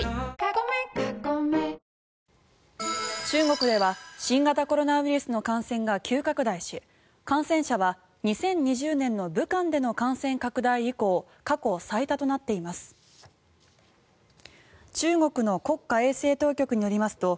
中国では新型コロナウイルスの感染が急拡大し感染者は２０２０年の武漢での感染拡大以降過去最多となっています。